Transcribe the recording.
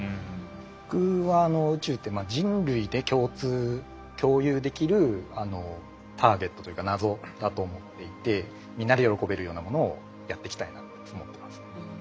僕は宇宙って人類で共有できるターゲットというか謎だと思っていてみんなで喜べるようなものをやっていきたいなと思ってます。